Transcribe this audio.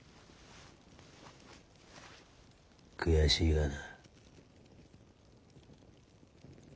悔しいがな。